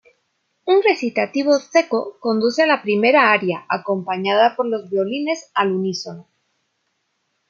Un recitativo "secco" conduce a la primera aria, acompañada por los violines al unísono.